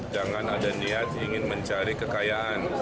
jangan ada niat ingin mencari kekayaan